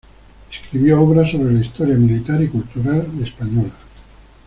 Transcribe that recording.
Escribió obras sobre historia militar y cultura española.